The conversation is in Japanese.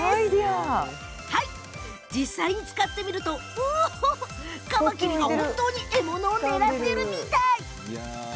実際に使ってみるとカマキリが本当に獲物を狙っているみたい。